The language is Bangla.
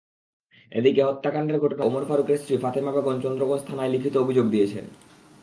এদিকে হত্যাকাণ্ডের ঘটনায় ওমর ফারুকের স্ত্রী ফাতেমা বেগম চন্দ্রগঞ্জ থানায় লিখিত অভিযোগ দিয়েছেন।